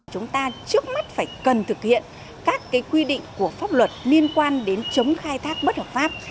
chúng ta trước mắt phải cần thực hiện các quy định của pháp luật liên quan đến chống khai thác bất hợp pháp